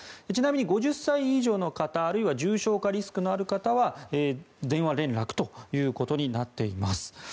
ちなみに５０歳以上の方あるいは重症化リスクのある方は電話連絡ということになっています。